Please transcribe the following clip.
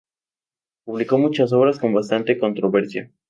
Publicó muchas obras con bastante controversia.